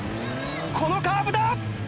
このカーブだ！